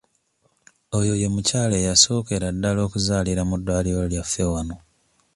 Ono ye mukyala eyasookera ddala okuzaalira mu ddwaliro lyaffe wano.